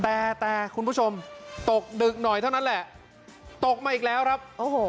แต่แต่คุณผู้ชมตกดึกหน่อยเท่านั้นแหละตกมาอีกแล้วครับโอ้โห